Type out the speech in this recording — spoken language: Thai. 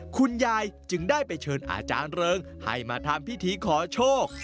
คุณยายจึงได้ไปเชิญอาจารย์เริงให้มาทำพิธีขอโชค